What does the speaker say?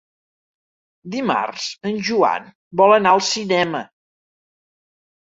Dimarts en Joan vol anar al cinema.